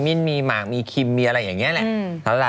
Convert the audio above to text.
มิ้นมีหมากมีคิมมีอะไรอย่างนี้แหละ